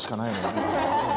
今。